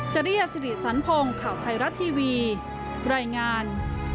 จริยสิริสันพงศ์ข่าวไทยรัฐทีวีรายงาน